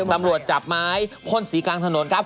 ตำรวจจับไม้พ่นสีกลางถนนครับ